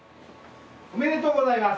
おめでとうございます。